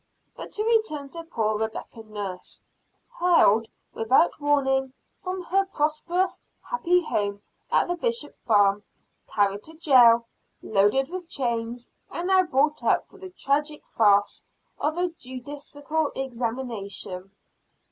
But to return to poor Rebecca Nurse, haled without warning from her prosperous, happy home at the Bishop Farm, carried to jail, loaded with chains, and now brought up for the tragic farce of a judicial examination.